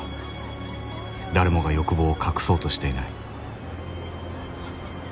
誰もが欲望を隠そうとしていない